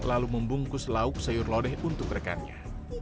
lalu membungkus lauk sayur lodeh untuk rekannya